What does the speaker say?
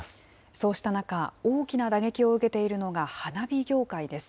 そうした中、大きな打撃を受けているのが花火業界です。